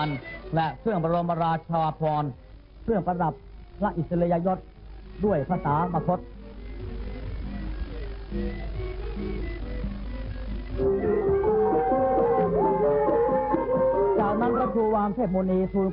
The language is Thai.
จากนั้นเวลา๑๑นาฬิกาเศรษฐ์พระธินั่งไพรศาลพักศิลป์